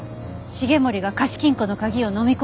繁森が貸金庫の鍵を飲み込んでいました。